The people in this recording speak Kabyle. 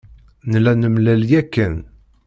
Nella nemlal yakan.